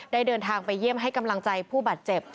เดินทางไปเยี่ยมให้กำลังใจผู้บาดเจ็บ